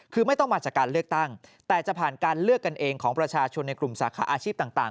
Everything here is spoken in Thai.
คือไม่ต้องมาจากการเลือกตั้งแต่จะผ่านการเลือกกันเองของประชาชนในกลุ่มสาขาอาชีพต่าง